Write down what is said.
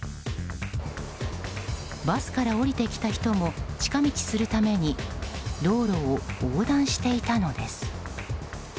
バスから降りてきた人も近道するために道路を横断していたのです。